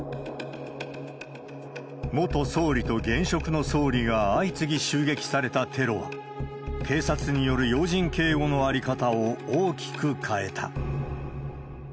元総理と現職の総理が相次ぎ襲撃されたテロは、警察による要人警護の在り方を大きく変えた。